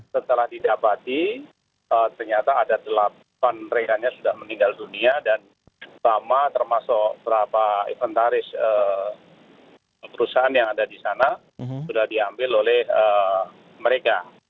setelah didapati ternyata ada delapan rekannya sudah meninggal dunia dan sama termasuk beberapa inventaris perusahaan yang ada di sana sudah diambil oleh mereka